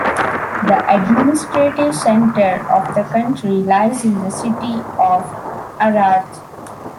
The administrative center of the county lies in the city of Arad.